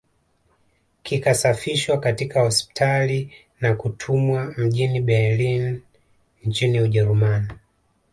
Kikasafishwa katika hospitali na kutumwa mjini Berlin nchini Ujerumani